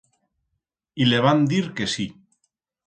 Y le van dir que sí.